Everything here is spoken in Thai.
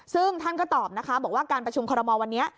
ซึ่งท่านก็ตอบนะคะบอกว่าการประชุมคอรมอลวันนี้